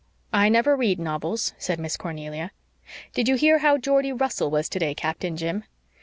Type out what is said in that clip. "I never read novels," said Miss Cornelia. "Did you hear how Geordie Russell was today, Captain Jim?"